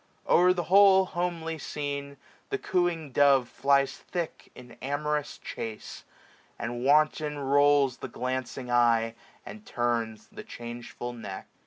O'er the whole homely scene, the cooing dove Flies thick in amorous chacc; and wanton rolls The glancing eye, and turns the changeful neck.